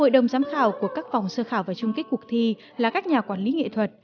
hội đồng giám khảo của các vòng sơ khảo và chung kết cuộc thi là các nhà quản lý nghệ thuật